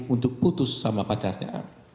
untuk putus sama pacarnya